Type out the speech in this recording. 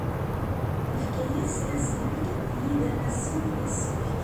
Yefka-as azebg n yidamasen d asefk.